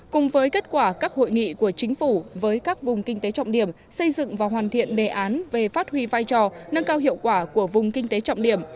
cùng với kết quả các hội nghị của chính phủ với các vùng kinh tế trọng điểm xây dựng và hoàn thiện đề án về phát huy vai trò nâng cao hiệu quả của vùng kinh tế trọng điểm